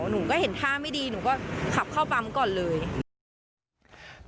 หนูก็เห็นท่าไม่ดีหนูก็ขับเข้าปั๊มก่อนเลย